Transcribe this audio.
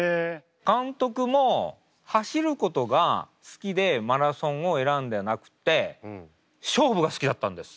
監督も走ることが好きでマラソンを選んでなくて勝負が好きだったんです。